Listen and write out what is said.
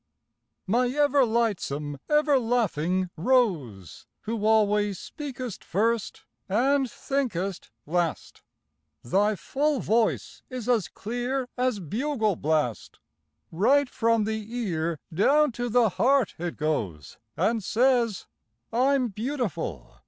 My ever lightsome, ever laughing Rose, Who always speakest first and thinkest last, Thy full voice is as clear as bugle blast; Right from the ear down to the heart it goes And says, "I'm beautiful!